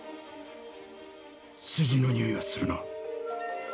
数字のにおいがするな。